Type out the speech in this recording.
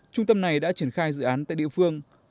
trung tâm này đã triển khai dự án tại địa phương